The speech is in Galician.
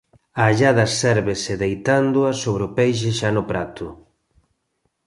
A allada sérvese deitándoa sobre o peixe xa no prato.